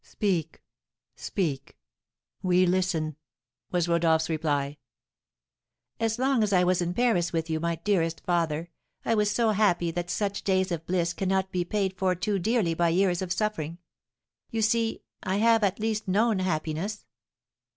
"Speak speak we listen!" was Rodolph's reply. "As long as I was in Paris with you, my dearest father, I was so happy that such days of bliss cannot be paid for too dearly by years of suffering. You see I have at least known happiness."